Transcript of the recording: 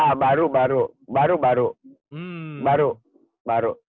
enggak baru baru baru baru baru baru